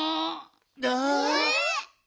えっ？